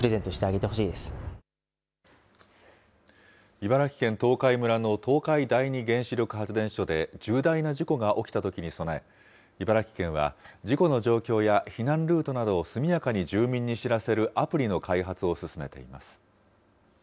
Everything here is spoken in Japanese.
茨城県東海村の東海第二原子力発電所で重大な事故が起きたときに備え、茨城県は事故の状況や避難ルートなどを速やかに住民に知らせるアプリなどの開発を進めています。